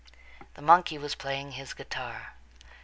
The monkey was playing his guitar.